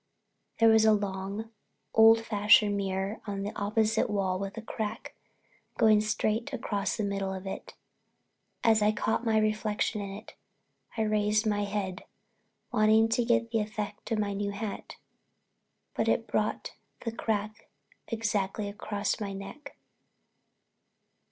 There was a long, old fashioned mirror on the opposite wall with a crack going straight across the middle of it. As I caught my reflection in it, I raised my head, wanting to get the effect of my new hat, and it brought the crack exactly across my neck.